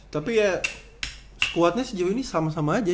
tapi ya kuatnya sejauh ini sama sama aja